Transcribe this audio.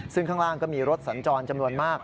ซึ่งข้างล่างก็มีรถสัญจรจำนวนมาก